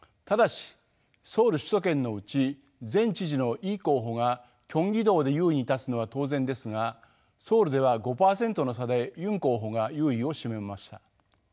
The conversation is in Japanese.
ただしソウル首都圏のうち前知事のイ候補がキョンギ道で優位に立つのは当然ですがソウルでは５％の差でユン候補が優位を占めました。